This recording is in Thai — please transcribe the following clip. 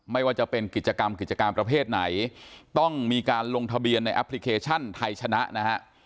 ไม่ว่าจะเป็นกิจกรรมกิจการประเภทไหนต้องมีการลงทะเบียนในแอปพลิเคชันไทยชนะนะฮะ